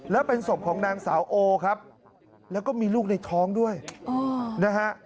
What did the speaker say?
แล้วเป็นศพของนางสาวโอครับแล้วก็มีลูกในท้องด้วยนะฮะ